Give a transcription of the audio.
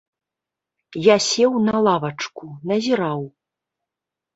Я сеў на лавачку, назіраў.